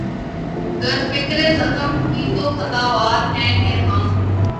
گر فکرِ زخم کی تو خطاوار ہیں کہ ہم